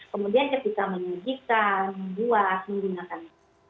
kemudian kita bisa menyedihkan membuat menggunakan